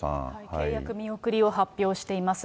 契約見送りを発表しています。